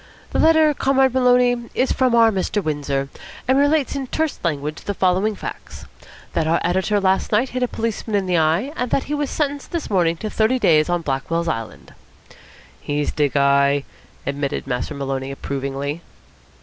"The letter, Comrade Maloney, is from our Mr. Windsor, and relates in terse language the following facts, that our editor last night hit a policeman in the eye, and that he was sentenced this morning to thirty days on Blackwell's Island." "He's de guy!" admitted Master Maloney approvingly.